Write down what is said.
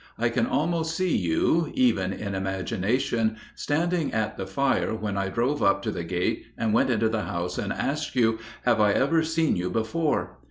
I can almost see you (even in imagination) standing at the fire when I drove up to the gate and went into the house and asked you, 'Have I ever seen you before?'